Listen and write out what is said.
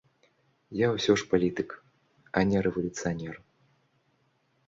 Я ўсе ж палітык, а не рэвалюцыянер.